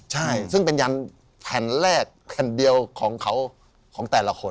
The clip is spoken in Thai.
ใช่ซึ่งเป็นยันแผ่นแรกแผ่นเดียวของเขาของแต่ละคน